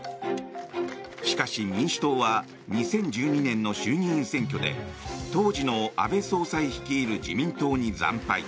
しかし、民主党は２０１２年の衆議院選挙で当時の安倍総裁率いる自民党に惨敗。